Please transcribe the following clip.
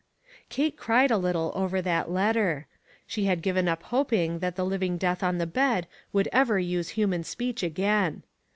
Kate cried a little over that letter. She had given up hoping that the living death on the bed would ever use human speech again.